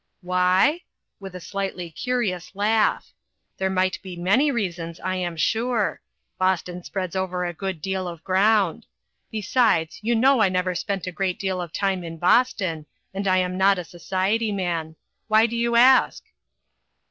"Why?" with a slightly curious laugh. "There might be many reasons, I am sure. Boston spreads over a good deal of ground. Besides, you know I never spent a great deal of time in Boston, and I am not a society man. Why do you ask?"